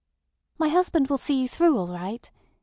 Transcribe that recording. "My husband will see you through all right.